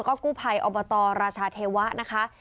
และก็กู้ไพลย์อบตรราชาเทวะนะคะ